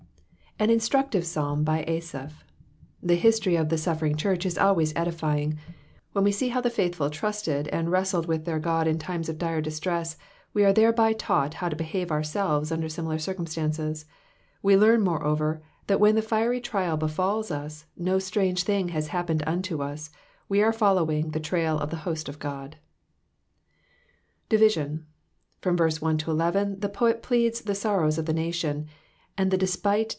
An vistntdive Psalm by Asaph. The hltkny of (he jtuf fering church is aboays edifying; wken we see how thefaUhftd tntsied cMd \wesUed wilh their God in times of dire distress, 2jrc are thereby taught how <o behaifC aiirsdves ^mder similar circumstances; tee learn wioreoivr, thai ir/>>/i the fiery trial, bffalls us, no strange thing has happened unio us, ice are following the trail of the host of God. Division. — hYom ver.se 1 — 11 the poet pleads the sorrows of the nation, aiui the despite.